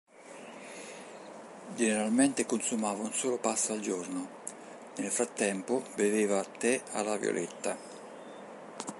Generalmente consumava un solo pasto al giorno, nel frattempo beveva tè alla violetta.